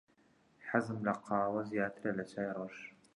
حەزم لە قاوە زیاترە لە چای ڕەش.